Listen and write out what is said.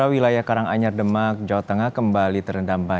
pantura yang melekat melintas terpaksa harus didorong karena matinya mesin